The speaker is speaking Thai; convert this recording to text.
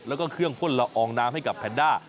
แล้วก็เครื่องพ่นละอองน้ำให้กับแพนด้า